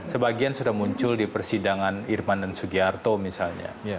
sebagian sudah muncul di persidangan irman dan sugiarto misalnya